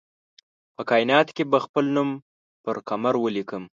په کائیناتو کې به خپل نوم پر قمر ولیکم